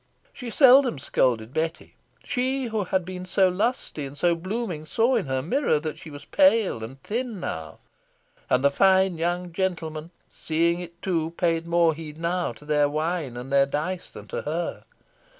She seldom scolded Betty. She who had been so lusty and so blooming saw in her mirror that she was pale and thin now; and the fine young gentlemen, seeing it too, paid more heed now to their wine and their dice than to her.